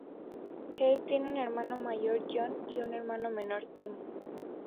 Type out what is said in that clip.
Helbig tiene un hermano mayor, John y un hermano menor, Tim.